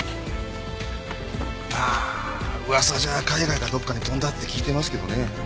まあ噂じゃ海外かどっかに飛んだって聞いてますけどね。